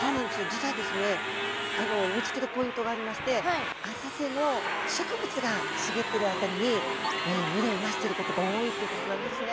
実はですね見つけるポイントがありまして浅瀬の植物が茂ってるあたりに群れを成してることが多いということなんですね。